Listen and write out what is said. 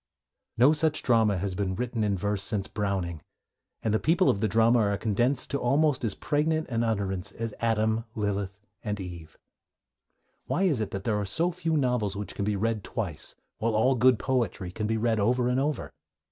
No such drama has been written in verse since Browning, and the people of the drama are condensed to almost as pregnant an utterance as Adam, Lilith, and Eve. Why is it that there are so few novels which can be read twice, while all good poetry can be read over and over?